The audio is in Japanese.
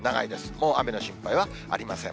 もう雨の心配はありません。